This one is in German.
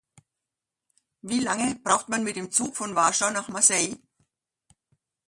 Wie lange braucht man mit dem Zug von Warschau nach Marseille?